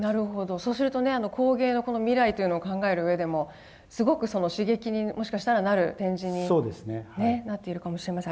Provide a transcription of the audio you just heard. そうするとね工芸の未来というのを考えるうえでもすごく刺激にもしかしたらなる展示にねなっているかもしれません。